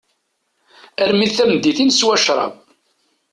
Armi d-tameddit, i neswa crab.